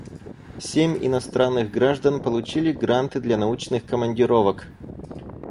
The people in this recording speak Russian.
Семь иностранных граждан получили гранты для научных командировок.